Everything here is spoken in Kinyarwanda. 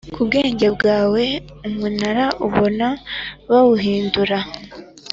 ku bwenge bwawe Umunara ubona bawuhindura